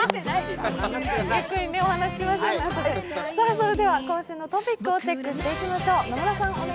それでは今週のトピックをチェックしていきましょう。